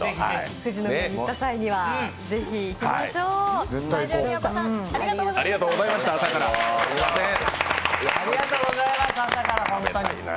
富士宮に行った際にはぜひ行きましょう。